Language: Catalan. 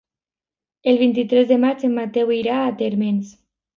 El vint-i-tres de maig en Mateu irà a Térmens.